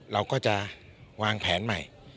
เราก็จะวางแผนใหม่